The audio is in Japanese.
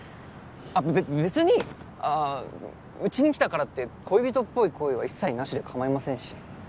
べべ別にうちに来たからって恋人っぽい行為は一切なしで構いませんし。